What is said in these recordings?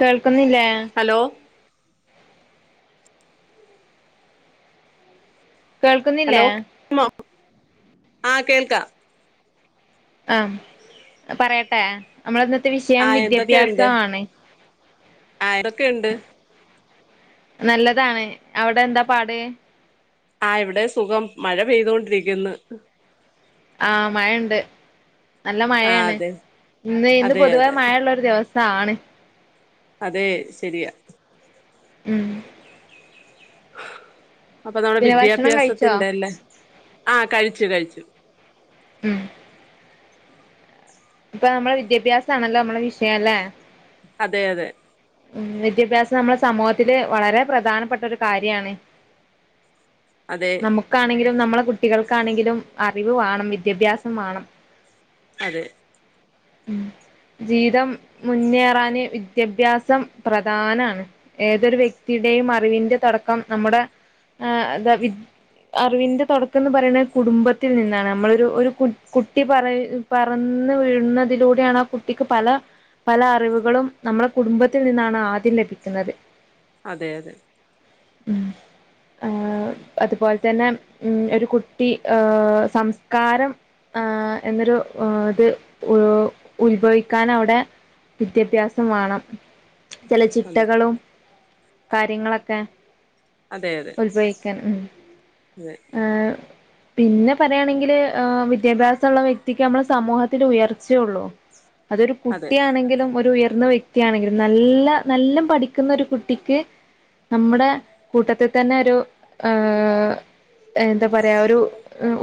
കേൾ ക്കുന്നില്ലേ ഹലോ കേൾക്കുന്നില്ലേ ആ കേൾക്ക ആ പറയട്ടെ നമ്മളന്ന് ത്തെ വിഷയം വിദ്യാഭ്യാസാണ് ആയിരൊക്കെ ഉണ്ട് നല്ലതാണ് അവിടെ എന്താ പാട് ആ ഇവിടെ സുഖം മഴ പെയ്തൊണ്ടിരിക്ക്ന്ന് ആഹ് മഴണ്ട് നല്ല ആഹ് മഴയാണ് അതെ ഇന്ന് ഇന്ന് അതെ പൊതുവേ അതെ മഴള്ളോരു ദിവസ താണ് അതെ ശെരിയാ ഉം അപ്പൊ നമ്മുടെ പിന്നെ ഭക്ഷണം കഴിച്ചോ വിദ്യാഭ്യാസത്തിന്റെല്ലേ ആഹ് കഴിച്ചു കഴിച്ചു ഉം ഇപ്പൊ നമ്മളെ വിദ്യാഭ്യാസ ആണല്ലോ നമ്മളെ വിഷയം അല്ലെ അതെ അതെ ഉം വിദ്യാഭ്യാസം നമ്മുടെ സമൂഹത്തില് വളരെ പ്രധാനപ്പെട്ട ഒരു കാര്യാണ് അതെ നമുക്കാണെങ്കിലും നമ്മളെ കുട്ടികൾക്കാണെങ്കിലും അറിവ് വാണം വിദ്യാഭ്യാസം വാണം അതെ ഉ ജീവിതം മുന്നേറാന് വിദ്യാഭ്യാസം പ്രധാനാണ് ഏതൊരു വ്യക്തിയുടെയും അറിവിന്റെ തോ ടക്കം നമ്മുടെ ആ വി അറിവിന്റെ തോടക്കം എന്ന് പറയണ് കുടുംബത്തിൽ നിന്നാണ് നമ്മളൊരു ഒരു കു കുട്ടി പറ പറന്ന് വീഴുന്ന തിലൂടെയാണ് ആ കുട്ടിക്ക് പല പല അറിവുകളും നമ്മളുടെ കുടുംബത്തിൽ നിന്നാണ് ആദ്യം ലഭിക്കുന്നത് അതെ അതെ ഉം അതുപോലെ തന്നെ ഉം ഒരു കുട്ടി ഏ സംസ്കാരം ആ എന്നൊരു ഇത് ഊ ഉത്ഭവിക്കാൻ അവിടെ വിദ്യാഭ്യാസം വാണം ചെല അതെ ചിട്ടകളും കാര്യങ്ങളൊക്കെ ഉത്ഭവിക്കാൻ ആഹ് വെ പിന്നെ പറയാണെങ്കില് വിദ്യാഭ്യാസ ഉള്ള വ്യക്തിക്ക് നമ്മള് സമൂഹത്തിൽ ഉയർച്ച ഒള്ളു അതൊരു അതെ കുട്ടിയാണെങ്കിലും ഒരു ഉയർ വ്യക്തിയാണെങ്കിലും നല്ല നല്ല പഠിക്കുന്ന ഒരു കുട്ടിക്ക് നമ്മുടെ കൂട്ടത്തിതന്നെ ഒരു ഏഹ് എന്താ പറയാ ഒരു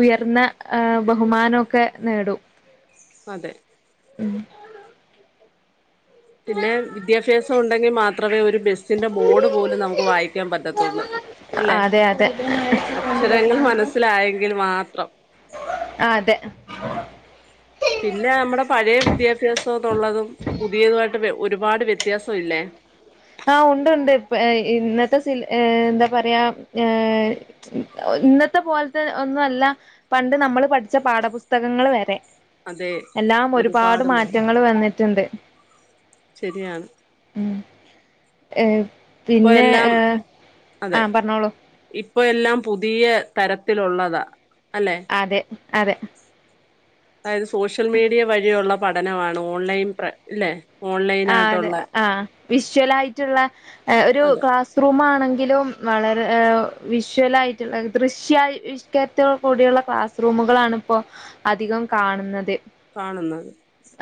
ഉയർന്ന ആ ബഹുമാനൊക്കെ നേടും. അതെ. മ് പിന്നെ വിദ്യാഫ്യാസം ഉണ്ടെങ്കി മാത്രമേ ഒരു ബസിൻ്റെ ബോർഡ് പോലും നമുക്ക് വായിക്കാൻ പറ്റത്തൊള്ളൂ അല്ലേ, അതെ അതെ അക്ഷരങ്ങൾ മനസ്സിലായെങ്കിൽ മാത്രം. ആ അതെ പിന്നെ നമ്മുടെ പഴയ വിദ്യാഭ്യാസത്തൊള്ളതും പുതിയതായിട്ട് വെ ഒരുപാട് വ്യത്യാസം ഇല്ലേ. ആ ഉണ്ട് ഉണ്ട് ഇപ്പ ഏ ഇന്നത്തെ സിൽ ഏ എന്താ പറയാ ഏ ഒ ഇന്നത്തെ പോലത്തെ ഒന്നുവല്ല പണ്ട് നമ്മള് പഠിച്ച പാഠപുസ്തകങ്ങളുവരെ അതെ എല്ലാം ഒരുപാട് മാറ്റങ്ങള് വന്നിട്ടുണ്ട്. ശെരിയാണ്. ഉം ഏഹ് ഇപ്പൊ പിന്നെ എല്ലാം ഏഹ് ആ അതെ പറഞ്ഞോളൂ. ഇപ്പൊ എല്ലാം പുതിയ തരത്തിലുള്ളതാ. അല്ലെ അതെ അതെ അതായത് സോഷ്യൽ മീഡിയ വഴിയൊള്ള പഠനമാണ് ഓൺലൈൻ പ്രെ ല്ലേ? ആ അതെ ആ വിഷ്വൽ ആയിട്ടുള്ള ഏ ആ ഒരു അതെ ക്ലാസ് റൂം ആണെ എങ്കിലും വളരെ വിഷ്വലായിട്ടുള്ള ദൃശ്യാവിഷ്കാരത്തോടുകൂടിയുള്ള ക്ലാസ് റൂമുകളാണ് ഇപ്പോ അധികം കാണുന്നത്. കാണുന്നത്.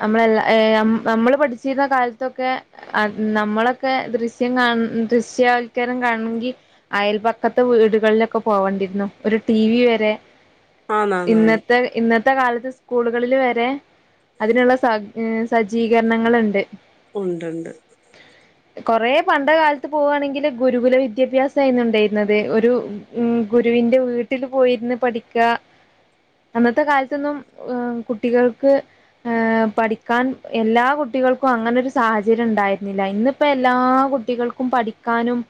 നമ്മളെല്ല ഏ നമ് നമ്മൾ പഠിച്ചിരുന്ന കാലത്തൊക്കെ ആ നമ്മളൊക്കെ ദൃശ്യം കാണ് ദൃശ്യവൽക്കരണം കാണണങ്കി അയൽപക്കത്തെ വീടുകളിലൊക്കെ പോവണ്ടിരുന്നു, ഒരു ടി വി വരെ ആന്നാന്നാന്ന് ഇന്നത്തെ ഇന്നത് ഇന്നത്തെ കാലത്ത് സ്കൂളുകളില് വരെ അതിനുള്ള സ സജ്ജീകരണങ്ങളിണ്ട്. ഉണ്ടണ്ട്. കൊറേ പണ്ടേകാലത്ത് പോവണങ്കില് ഗുരുകുല വിദ്യാഭ്യാസായിരുന്നു ഉണ്ടായിരുന്നത്, ഒരു മ് ഗുരുവിൻ്റെ വീട്ടില് പോയിരുന്ന് പഠിക്ക അന്നത്തെ കാലത്തൊന്നും ഏ കുട്ടികൾക്ക് ഏഹ് പഠിക്കാൻ എല്ലാ കുട്ടികൾക്കു അങ്ങനെ ഒരു സാഹചര്യം ഉണ്ടായിരുന്നില്ല, ഇന്നിപ്പോ എല്ലാ കുട്ടികൾക്കും പഠിക്കാനും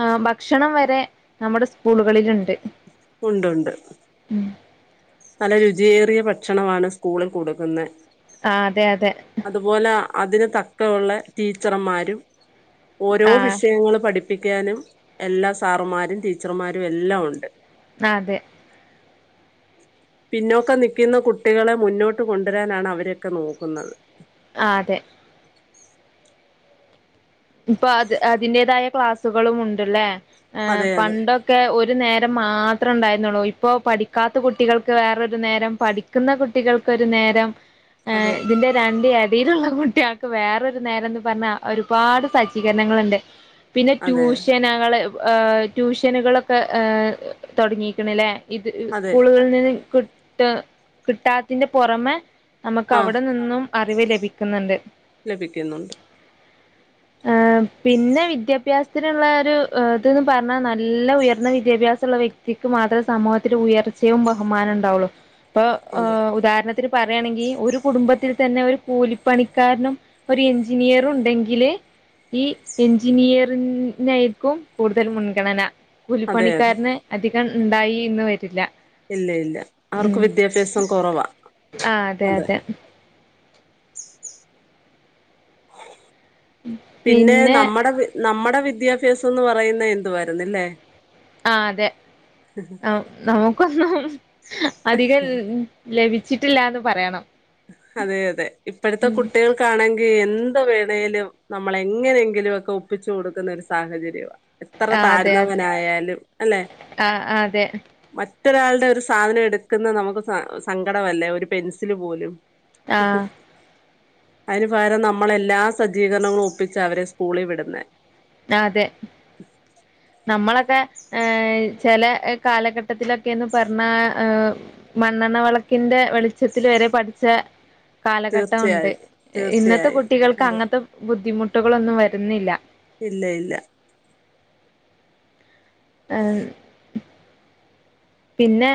എ ഭക്ഷണം വരെ നമ്മടെ സ്കൂളുകളിലുണ്ട്. ഉണ്ട് ഒണ്ട് ഉം നല്ല രുചിയേറിയ ഭക്ഷണമാണ് സ്കൂളിൽ കൊടുക്കുന്നേ. ആ അതെ അതെ അതുപോലെ അതിന് തക്കവൊള്ളെ ടീച്ചർമാരും ഓരോ ആ വിഷയങ്ങള് പഠിപ് ഠിപ്പിക്കാനും എല്ലാ സാറുമാരും ടീച്ചർമാരും എല്ലാമൊണ്ട്. ആ അതെ. പിന്നോക്കം നിക്കുന്ന കുട്ടികളെ മുന്നോട്ട് കൊണ്ടുരാനാണ് അവരൊക്കെ നോക്കുന്നത്. ആ അതെ. ഇപ്പോ അത് അതിന്റേതായ ക്ലാസ്സുകളുമുണ്ട്ല്ലെ. ആ അതെ അതെ പണ്ടൊക്കെ ഒരു ഒരു നേരം മാത്രം ഇണ്ടായിരുന്നുള്ളു ഇപ്പൊ പഠിക്കാത്ത കുട്ടികൾക്ക് വേറൊരു നേരം പഠിക്കുന്ന കുട്ടികൾക്കൊരു നേരം ആ അതെ ഇതിന്റെ [unintelligible] [unintelligible] കുട്ടിയെക്ക് വേറൊരു നേരന്ന് പറഞ്ഞാ ഒരുപാട് സജീകർണങ്ങളുണ്ട് പിന്നെ അതെ ട്യൂഷനകള് ആ ട്യൂഷനുളൊക്കെ ഏ തുടങ്ങിക്ണ് ലെ ഇത് അതെ സ്കൂളുകളിൽ നിന്ന് കി ട്ട കിട്ടാതിന്റെ പൊറമേ ആ നമ്മക്കവിടെ നിന്നും അറിവ് ലഭിക്കുന്നുണ്ട്. ലഭിക്കുന്നുണ്ട് ആ പിന്നെ വിദ്യാഭ്യാസത്തിനുള്ള ഒരു ആ ഇത്ന്ന് പർഞ്ഞാ നല്ല ഉയർന്ന വിദ്യാഭ്യാസൊള്ള വ്യക്തിക്ക് മാത്ര സാമൂഹത്തി ഉയർച്ചേ ബഹുമാനോ ഉടവുള് പ്പൊ അതെ ഉദാരണത്തിന് പറയ്യാണകി ഒരു കുടുംബത്തിൽ തന്നെ ഒരു കൂലിപ്പണിക്കാര്നും ഒരു എഞ്ചിനീയറുണ്ടങ്കില് ഈ എഞ്ചിനീയറിൻനായിർക്കും കൂടുതൽ മുൻകണനാ അതെ അതെ കൂലിപ്പണികാരന് അതി ഇണ്ടായിന്ന് വരില്ല ഇല്ല ഇല്ല അവർക്ക് ഉം വിദ്യാഭ്യാസം കൊറവാ അതെ പിന്നെ നമ്മടെ വി നമ്മട വിദ്യ സൊനുപറയുന്ന ന്തുവാരുന്നില്ലേ ആ അതെ ആ നോ [unintelligible] അധികം [unintelligible] ച്ചിട്ടില്ലാന് പറയണം അതെ അതെ എപ്പഴത്ത ഉം കുട്ടികൾക് ആണെങ്കി എന് എന്ത്‌ വേണേലും നമ്മളെങ്ങനെങ്കിലുവൊക്കെ ഒപ്പിച്ചു കൊടുക്കുന്ന ഒരു സാഹചര്യവാ എത്ര ആ അതെ അതെ തര്ന്നവനായാല്ലും ല്ലെ രെ മറ്റൊരാൾടെ ഒരു സാധന എടുക്ക്ന്നെ നമ്മക്ക് സ സങ്കടവല്ലേ ഒരു പെൻസില് പോലും ആഹ് അതിന് പകരം നമ്മള് എല്ലാ സജീകരണങ്ങളും ഒപ്പിച്ചാ അവരെ സ്കൂളിൽ വിട്ന്നേ ആ അതെ നമ്മളെ ക്കെ ചെല കാലഘട്ടത്തിലൊക്കെ ന്ന് പറഞ്ഞാ എ് മണ്ണെണ്ണ വെളക്കിൻ്റെ വെളിച്ചത്തിൽ വരെ പഠിച്ചെ കാലഘട്ടം ഉണ്ട് തീർച്ചയായിട്ടും ഇന്നത്തെ തീർച്ചയായും കുട്ടികൾക്ക് അതെ അങ്ങൻത്തെ ബുദ്ധിമു മുട്ടുകളൊന്നും വരുന്നില്ല ഇല്ല ഇല്ല മ്മ് പിന്നെ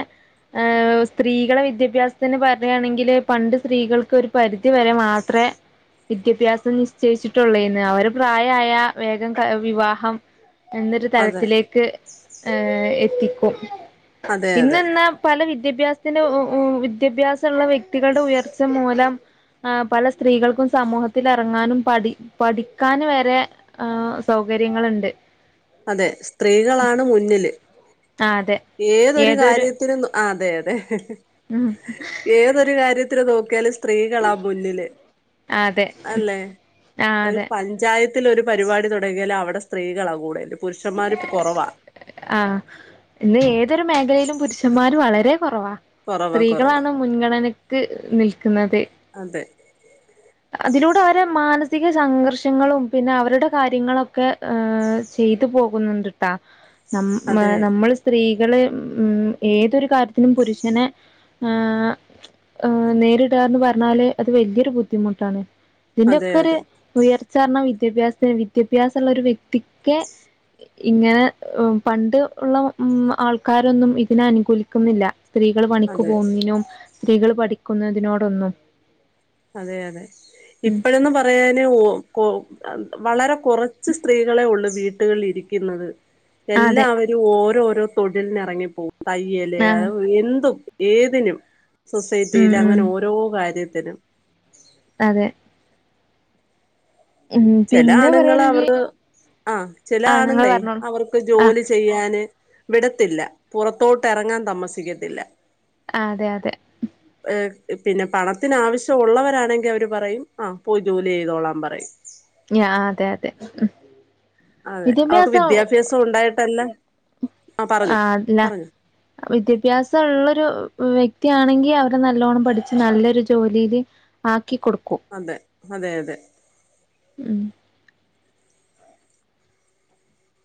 ഏഹ് സ്ത്രീകളെ വിദ്യാഭ്യാസത്തിനു പറയുകയാണെങ്കില് പണ്ട് സ്ത്രീകൾക്ക് ഒരു പരിധിവരെ മാത്രേ വിദ്യാഭ്യാസം നിശ്ചയിച്ചിട്ടുള്ളൂ എന്ന് അവര് പ്രായായ വേഗം വിവാഹം എന്നൊരു അതെ തലത്തിലേക്ക് ഏഹ് എത്തിക്കും അതെ പിന്ന അതെ എന്നാ പല വി വിദ്യാഭ്യാസത്തിന്‌ ഉ ഉ വിദ്യാഭ്യാസം ഉള്ള വ്യക്തികളുടെ ഉയർച്ച മൂലം ആ പല സ്ത്രീകൾക്കും സമൂഹത്തിൽ ഇറങ്ങാനും പഠി പഠിക്കാനും വരെ ആഹ് സൗകര്യങ്ങളുണ്ട് അതെ സ്ത്രീകളാണ് മുന്നില് ആഹ് അതെ ഏതൊരു കാര്യത്തിനും ആഹ് അതെ അതെ ഉം ഏതൊരു കാര്യ ത്ര നോക്കിയാലും സ്ത്രീകളാ മുന്നില് അതെ അല്ലെ ആഹ് ഒരു അതെ പഞ്ചായ ത്തിൽ ഒരു പരിപാടി തുടങ്ങിയാലും അവിടെ സ്ത്രീകളാ കൂടലും ആഹ് ഏതൊരു മേഖലയിലും പുരുഷന്മാര് വളരെ കുറവാ കുറവാ കുറവാ സ്ത്രീകളാണ് മുൻഗണന [unintelligible] നിൽക്കുന്നത് [unintelligible] അതിലൂടെ അവരെ മാന സിക സംഘർഷങ്ങളും പിന്നെ അവരുടെ കാര്യങ്ങളൊക്കെ ഈഹ് ചെയ്തു പോകുന്നുണ്ട്ട്ടാ നമ്മ അതെ നമ്മൾ സ്ത്രീ കള് ഉം ഏതൊരു കാര്യത്തിനും പുരുഷനെ ആഹ് ഈഹ് നേരിടാന്ന് പറഞ്ഞാല് അത് വലിയൊരു ബു ദ്ധിമുട്ടാണ് ഇതിന്റെ അതെ ഒക്കെ ഒരു അതെ ഉയർ ച്ച കാരണം വിദ്യാഭ്യാസത്തിന് വിദ്യാഭ്യാസം ഉള്ള ഒരു വ്യക്തിക്ക് ഇങ്ങനെ പണ്ട് ഉള്ള മ് ആൾക്കാരൊന്നും ഇതിനെ അനുകൂലിക്കുന്നില്ല സ്ത്രീകൾ പണിക്ക് അതെ പോകുന്നതിനും സ്ത്രീകൾ പഠിക്കുന്നതിനോടൊന്നും അതെ അതെ ഉം ഇപ്പഴേന്ന് പറയാന് ഓ ഒ അ വളരെ കുറച്ച് സ്ത്രീകളെ ഉള്ളു വീട്ടുകളിൽ ഇരിക്കുന്നത് അതെ എല്ലാവരും ഓരോരോ തൊഴിലിനിറങ്ങിപ്പോകും തയ്യല് അ ആഹ് എന്തും ഏതിനും ഉം സൊസൈറ്റിയില് ഉം അങ്ങനെ ഓരോ കാര്യ ത്തിനും അതെ ഉം ചില പിന്നെ ആണുങ്ങള് അവർ പറയാണെങ്കി ആ ചില ആഹ് നിങ്ങള് ആണുങ്ങളെ പറഞ്ഞോളൂ അവർക്ക് ആഹ് ജോലി ചെയ്യാന് വിടത്തില്ല പുറത്തോട്ട് എറങ്ങാൻ തമസിക്കത്തില്ല അതെ അതെ പിന്നെ പണത്തിന് ആവശ്യം ഉള്ളവരാണെങ്കി അവര് പറയും ആ പോയി ജോലി ചെയ്തോളാൻ പറയും ങ്ങ്യാ അതെ അതെ ഉം അതെ അവർക്ക് വിദ്യാഭ്യാസം ഉണ്ടായിട്ടല്ല ആഹ് പറഞ്ഞു ആ അല്ല പറഞ്ഞു വിദ്യാഭ്യാസം ഒള്ളൊരു വ്യക്തിയാണെങ്കി അവര് നല്ലോണ്ണം പഠിച്ച് നല്ലൊരു ജോലിയില് ആക്കി കൊടുക്കും അതെ അതെ അതെ ഉം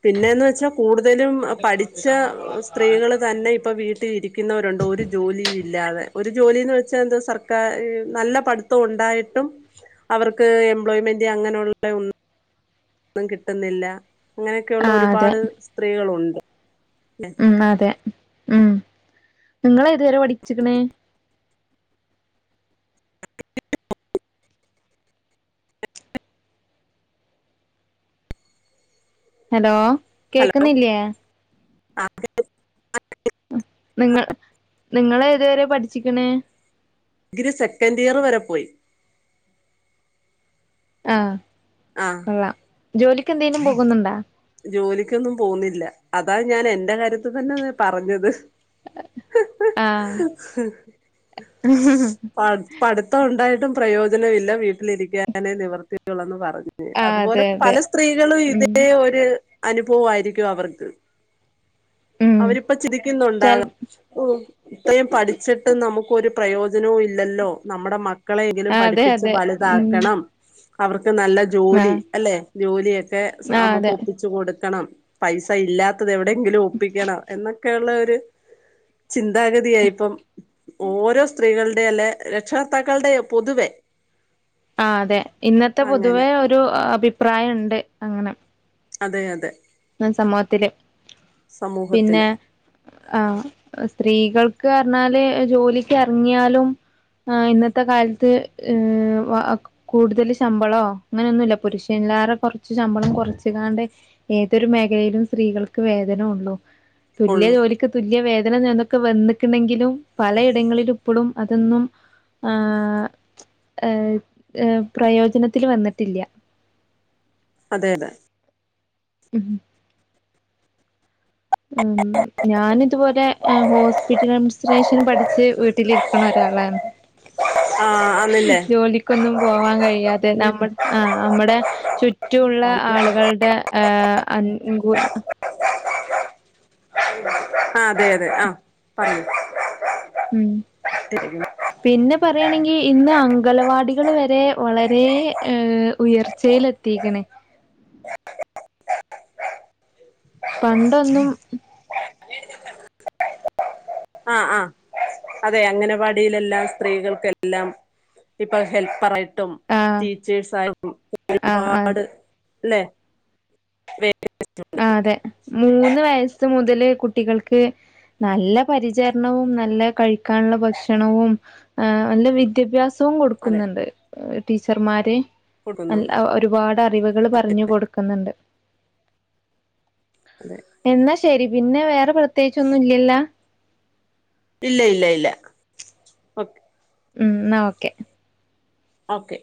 പിന്നേന്ന് വെച്ചാ കൂടുതലും പഠിച്ച സ്ത്രീകള് തന്നെ ഇപ്പ വീട്ടി ഇരിക്കുന്നവരുണ്ട് ഒരു ജോലി ഇല്ലാതെ. ഒരു ജോലിന്ന് വെച്ചാ എന്താ സർക്കാ നല്ല പഠിത്തം ഉണ്ടായിട്ടും അവർക്ക് എംപ്ലോയ്മെന്റ് അങ്ങനെയുള്ള ഒന്ന് ഒന്നും കിട്ടുന്നില്ല അങ്ങനെയൊക്കെയുള്ള ആഹ് അതെ ഒരുപാട് സ്ത്രീകളൊണ്ട് ഉം അതെ ഉം നിങ്ങളേതുവരെ പഠിച്ചെക്കണ് ഹലോ കേക്കുന്നില്ലേ ആ കേൾ [unintelligible] നിങ്ങ നിങ്ങളേതുവരെ പഠിച്ചിക്കണ് ഗ്രി സെക്കൻഡ് ഇയർ വരെ പോയി ആ ആ കൊള്ളാം ജോലിക്ക് എന്തേലും പോകുന്നുണ്ടാ? ജോലിക്കൊന്നും പോകുന്നില്ല. അതാ ഞാൻ എന്റെ കാര്യത്തി തന്നെ പറഞ്ഞത് ആഹ് പ പഠിത്തം ഒണ്ടായിട്ടും പ്രയോജനവില്ല വീട്ടിലിരിക്കാനെ നിവർത്തിയുള്ളെന്ന് പറഞ്ഞ ആഹ് അതുപോലെ അതെ അതെ പല സ്ത്രീകളും ഉം ഇതേ ഒരു അനുഭവായിരിക്കും അവർക്ക് ഉം അവരിപ്പ ചെൽ ചിരിക്കുന്നുണ്ടാകാം ഓ ഇത്രയും പഠിച്ചിട്ട് നമു ഒരു പ്രയോജനവും ഇല്ലല്ലോ നമ്മുടെ മ ക്കളെങ്കിലും ആഹ് അതെ പഠിപ്പിച്ച് അതെ ഉം വലുതാക്കണം ക്കവർ നല്ല ജോലി ആഹ് അല്ലെ ജോലിയൊക്കെ സ ആഹ് നമുക്കൊ അതെ കൊടുക്കണം പൈസ ഇല്ലാ ത്തത് എവിടെയെങ്കിലും ഒപ്പിക്കണം എന്നൊക്കെയുള്ള ഒ ര് ചിന്താഗതിയായിപ്പം ഓരോ സ്ത്രീകൾ ടെ അല്ലെ രക്ഷകർത്താക്കൾടെ പൊതുവെ ആ അതെ ഇന്നത്തെ അങ്ങനെ പൊതുവേ ഒരു അഭിപ്രായം ഇണ്ട് അങ്ങനെ അതെ അതെ സമൂഹത്തില് പിന്നെ സമൂഹത്തില് ആഹ് സ്ത്രീകൾക്ക് പറഞ്ഞാല് ജോലിക്ക് എറങ്ങിയാലും ആ ഇന്നത്തെ കാലത്ത് ഏ കൂടുതൽ ശമ്പളോ അങ്ങനൊന്നുല്ല പുരുഷൻല്ലാറെ കൊറച്ച് ശമ്പളം കൊറച്ച് കാണ്ട് ഏതൊരു മേഖലയിലും സ്ത്രീകൾക്ക് വേതന ഉള്ളൂ. തുല്യ ഉള്ളു ജോലിക്ക് തുല്യ വേത ഇന്നൊക്കെ വന്ന്ക്ക്ണെങ്കിലും പലയിടങ്ങളിലും ഇപ്പളും അതൊന്നും ആഏ ഏ പ്രയോജനത്തില് വന്നിട്ടില്ല. അതെ അതെ. ഉം. ഉം ഞാന് തുപോലെ ഹോസ്പിറ്റലം സ്രേഷനും പഠിച്ച് വീട്ടിലിരിക്ക്ണ ഒരാളാണ്. ആ അന്നില്ലേ ജോലിക്കൊന്നും പോവാൻ കഴിയാതെ നമ്മൾ ആ അമ്മടെ ചുറ്റു ഉള്ള ആള്കൾടെ ആ [unintelligible] [inaudible] ആ അതെ അതെ ആ പർഞ്ഞൂ ഉം പിന്നെ പറയണെങ്കി ഇന്ന് അംഗലവാടികൾ വരെ വളരെ ഏ ഉയർച്ചയിലെത്തിക്ക്ണ്. പണ്ടൊന്നും ആ ആ അതെ അംഗനവാടിയിലെല്ലാം സ്ത്രീകൾക്കെല്ലാം ഇപ്പൊ ഹെൽപ്പറായി ട്ടും ആഹ് ടീച്ചേഴ്സ് ആയിട്ടും ആഹ് അതെ ഒരുപാട് ല്ലെ. വെ ആ അതെ. മൂന്ന് വയസ്സ് മുതല് കുട്ടികൾക്ക് നല്ല പരിചര്ണവും നല്ല കഴിക്കാനുള്ള ഭക്ഷണവും ആ നല്ല വിദ്യാഭ്യാസവും അതെ കൊടുക്കുന്നുണ്ട് ടീച്ചർമാര്. അൽ കൊടുക്കുന്നുണ്ട് ആ ഒരുപാട് [unintelligible] അറിവു കള് പറഞ്ഞു കൊടുക്കുന്നുണ്ട്. അതെ എന്നാ ശരി. പിന്നെ വേറെ പ്ര ത്യേകിച്ചൊന്നും ഇല്ലല്ലാ? ഇല്ല ഇല്ല ഇല്ല ഓകെ. ഉം എന്നാ ഓക്കെ. ഓക്കെ.